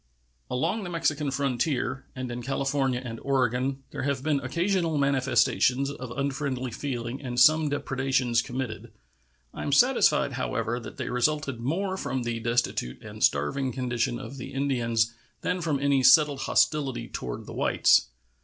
Along the Mexican frontier and in California and Oregon there have been occasional manifestations of unfriendly feeling and some depredations committed. I am satisfied, however, that they resulted more from the destitute and starving condition of the Indians than from any settled hostility toward the whites.